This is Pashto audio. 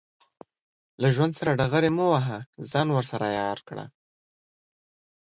له ژوند سره ډغرې مه وهه، ځان ورسره عیار کړه.